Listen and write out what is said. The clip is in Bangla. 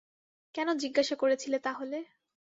কেন জিজ্ঞাসা করেছিলে তাহলে?